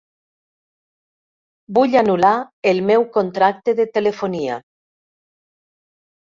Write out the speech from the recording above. Vull anul·lar el meu contracte de telefonia.